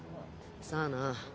さあな。